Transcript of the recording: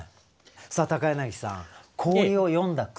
さあ柳さん氷を詠んだ句。